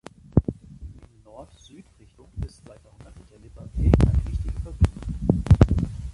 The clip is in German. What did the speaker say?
In Nord-Süd Richtung ist seit Jahrhunderten der "Lipper Weg" eine wichtige Verbindung.